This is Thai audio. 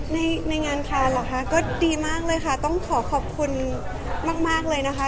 ในในงานคาร์เหรอคะก็ดีมากเลยค่ะต้องขอขอบคุณมากเลยนะคะ